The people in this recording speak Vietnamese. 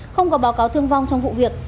không có báo cáo thương vong trong vụ việc